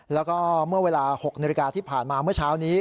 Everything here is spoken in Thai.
แล้วก็เมื่อเวลา๖นาฬิกาที่ผ่านมาเมื่อเช้านี้